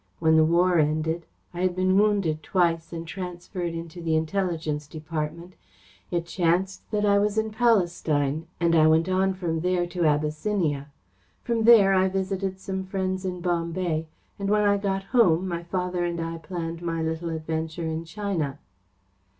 When the war ended I had been wounded twice and transferred into the Intelligence Department it chanced that I was in Palestine, and I went on from there to Abyssinia. From there I visited some friends in Bombay, and when I got home my father and I planned my little adventure in China."